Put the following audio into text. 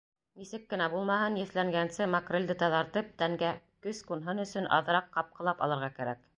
Нисек кенә булмаһын, еҫләнгәнсе макрелде таҙартып, тәнгә көс ҡунһын өсөн аҙыраҡ ҡапҡылап алырға кәрәк.